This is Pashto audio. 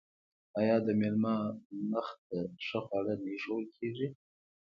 آیا د میلمه مخې ته ښه خواړه نه ایښودل کیږي؟